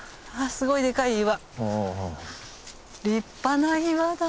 すごいデカい岩。